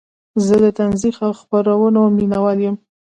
زه د طنزي خپرونو مینهوال یم.